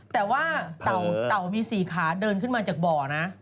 แต่ว่าเต่ามี๔ขาเดินขึ้นมาจากบ่อนะ